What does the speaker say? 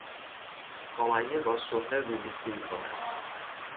سمیه با شهره روبوسی میکند